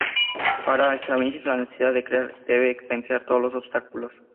Para Stravinsky la necesidad de crear debe vencer todos los obstáculos.